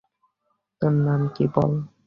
তোর নাম কী বল?